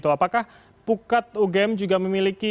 apakah pukat ugm juga memiliki